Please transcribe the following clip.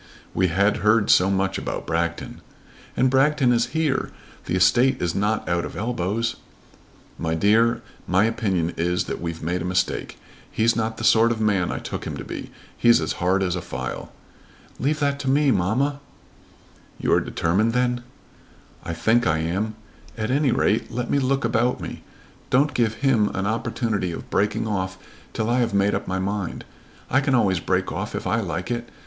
"We had heard so much about Bragton!" "And Bragton is here. The estate is not out of elbows." "My dear, my opinion is that we've made a mistake. He's not the sort of man I took him to be. He's as hard as a file." "Leave that to me, mamma." "You are determined then?" "I think I am. At any rate let me look about me. Don't give him an opportunity of breaking off till I have made up my mind. I can always break off if I like it.